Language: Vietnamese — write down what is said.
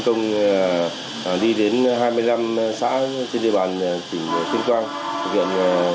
công đi đến hai mươi năm xã trên địa bàn tỉnh tuyên quang thực hiện